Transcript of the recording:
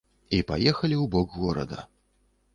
І паехалі ў бок горада.